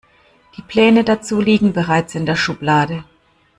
Die Pläne dazu liegen bereits in der Schublade.